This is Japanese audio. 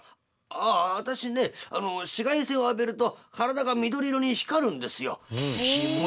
「ああ私ね紫外線を浴びると体が緑色に光るんですよ」。